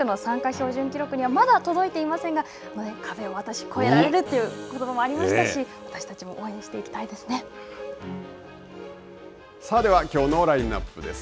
標準記録にはまだ届いていませんが、壁を越えられるということばもありましたし、私たちも応援していではきょうのラインナップです。